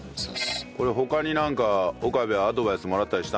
これ他になんか岡部アドバイスもらったりしたの？